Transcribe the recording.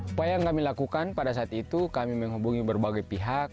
upaya yang kami lakukan pada saat itu kami menghubungi berbagai pihak